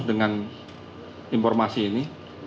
dengan informasi ini